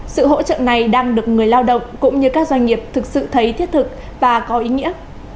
sự hỗ trợ này đang được người lao động cũng như các doanh nghiệp thực sự thấy thiết thực và có ý nghĩa